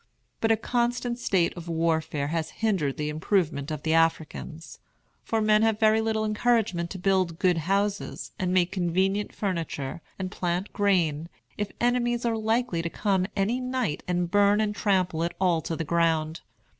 But a constant state of warfare has hindered the improvement of the Africans; for men have very little encouragement to build good houses, and make convenient furniture, and plant grain, if enemies are likely to come any night and burn and trample it all to the ground.